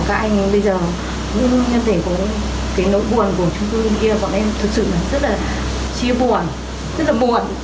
các anh bây giờ cũng như thế cái nỗi buồn của trung cư bên kia bọn em thật sự rất là chia buồn rất là buồn